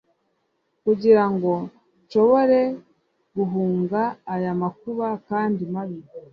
Kugira ngo nshobore guhunga aya makuba kandi mabi